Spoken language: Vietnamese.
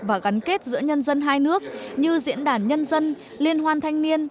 và gắn kết giữa nhân dân hai nước như diễn đàn nhân dân liên hoan thanh niên